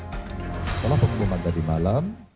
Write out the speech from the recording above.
setelah pengumuman tadi malam